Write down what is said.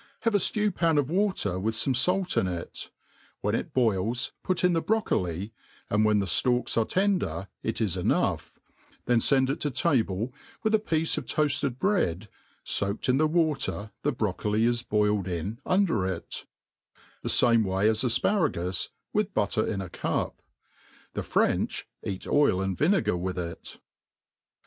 Have a ftew pan of water with fome fait in it : when it boils put in the broccoli, and when the fialks are ^tender it is enough, then fend it to table with a piece of toafted bread toaSmi in the water the broccoli is boiled in under it, the iame way as afparagus, with butter in a cup. The French eat oil and vincfgar with it.